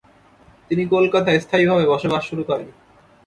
তিনি কলকাতায় স্থায়ীভাবে বসবাস শুরু করেন।